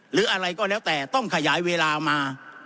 หรืออะไรก็แล้วแต่ต้องขยายเวลามา